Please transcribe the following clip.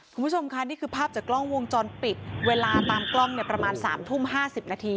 คุณผู้ชมค่ะนี่คือภาพจากกล้องวงจรปิดเวลาตามกล้องเนี่ยประมาณ๓ทุ่ม๕๐นาที